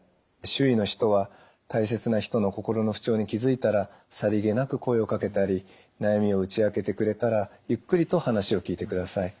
周囲の人は大切な人の心の不調に気付いたらさりげなく声をかけたり悩みを打ち明けてくれたらゆっくりと話を聞いてください。